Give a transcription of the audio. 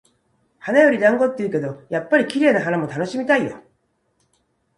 「花より団子」って言うけど、やっぱり綺麗な花も楽しみたいよ。